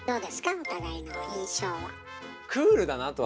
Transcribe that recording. お互いの印象は。